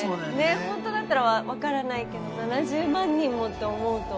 ほんとだったらわからないけど７０万人もって思うと。